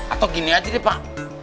atau gini aja deh pak